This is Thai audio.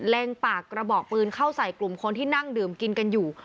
ปากกระบอกปืนเข้าใส่กลุ่มคนที่นั่งดื่มกินกันอยู่